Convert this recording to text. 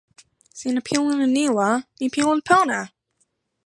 sina pilin e ni la mi pilin pona.